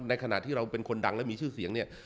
ขณะที่เราเป็นคนดังและมีชื่อเสียงเนี่ย